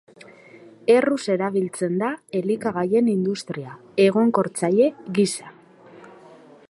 Erruz erabiltzen da elikagaien industria, egonkortzaile gisa.